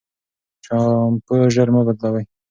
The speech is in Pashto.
شامپو ژر مه بدلوی.